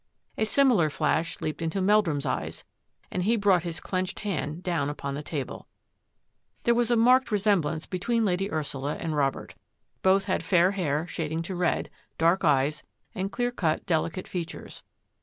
A similar flash leaped into Meldrum's eyes, and he brought his clenched hand down upon the table. There was a marked resemblance between Lady Ursula and Robert. Both had fair hair shading to red ; dark eyes ; and clear cut, delicate features.